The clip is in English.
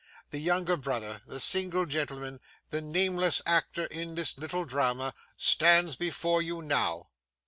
The younger brother, the single gentleman, the nameless actor in this little drama, stands before you now.